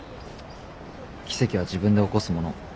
奇跡は自分で起こすもの。